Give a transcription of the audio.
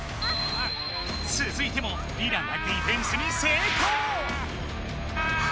つづいてもリラがディフェンスに成功！